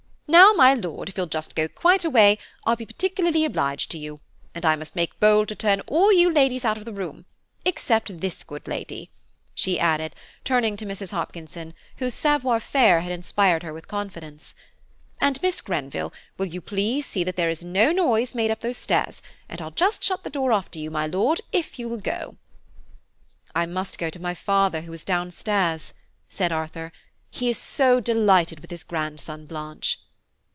Now, my Lord, if you'll just go quite away I'll be particularly obliged to you; and I must make bold to turn all you ladies out of the room, except this good lady," she added, turning to Mrs. Hopkinson, whose savoir faire had inspired her with confidence, "and, Miss Grenville, will you please to see that there is no noise made up those stairs, and I'll just shut the door after you, my Lord, if you will go." "I must go to my father, who is down stairs," said Arthur; "he is so delighted with his grandson, Blanche."